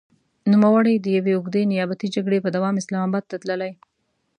نوموړی د يوې اوږدې نيابتي جګړې په دوام اسلام اباد ته تللی.